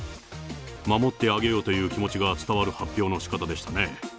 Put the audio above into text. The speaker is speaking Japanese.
守ってあげようという気持ちが伝わる発表のしかたでしたね。